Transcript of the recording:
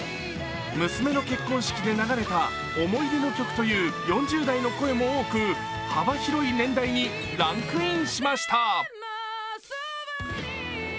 娘の結婚式で流れた思い出の曲という４０代の声も多く幅広い年代にランクインしました。